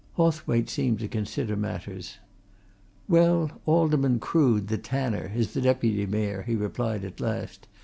Hawthwaite seemed to consider matters. "Well, Alderman Crood, the tanner, is the Deputy Mayor," he replied at last.